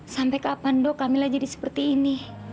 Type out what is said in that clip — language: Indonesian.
sampai kapan dok kamilah jadi seperti ini